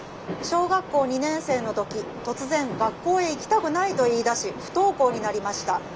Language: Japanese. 「小学校２年生の時突然学校へ行きたくないと言いだし不登校になりました。